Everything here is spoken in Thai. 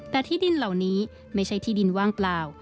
แต่ที่ดินเหล่านี้ไม่ใช่ที่ดินว่างเปล่า